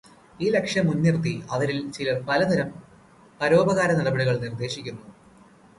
ഈ ലക്ഷ്യം മുൻനിർത്തി അവരിൽ ചിലർ പലതരം പരോപകാരനടപടികൾ നിർദ്ദേശിക്കുന്നു.